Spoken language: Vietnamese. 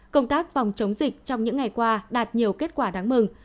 công tác phòng chống dịch trong những ngày qua đạt nhiều kết quả đáng mừng